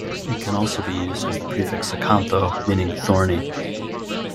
It can also be used as the prefix acantho-, meaning "thorny".